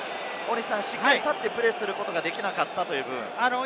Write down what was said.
しっかり立ってプレーすることができなかったということですね。